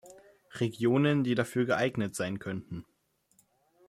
Regionen, die dafür geeignet sein könnten.